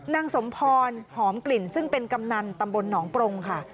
นางสมพรหอมกลิ่นซึ่งเป็นกำนันตำบลหนองปรงค่ะ